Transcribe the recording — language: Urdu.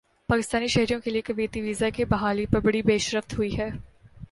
پاکستانی شہریوں کے لیے کویتی ویزے کی بحالی پر بڑی پیش رفت ہوئی ہےا